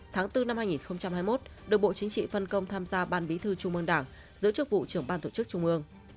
tháng bốn năm hai nghìn hai mươi một được bộ chính trị phân công tham gia ban bí thư trung mương đảng giữ chức vụ trưởng ban tổ chức trung ương